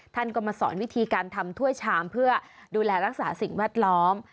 ท่านก็มาสอนวิธีการทำถ้วยชามเพื่อดูแลรักษาสิ่งแวดล้อม